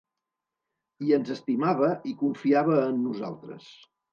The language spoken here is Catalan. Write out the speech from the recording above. I ens estimava i confiava en nosaltres.